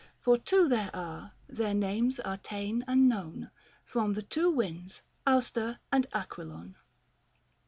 For two there are, their names are ta'en and known From the two winds, Auster and Aquilon. III. NON.